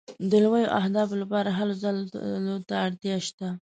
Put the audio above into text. د لویو اهدافو لپاره هلو ځلو ته اړتیا شته.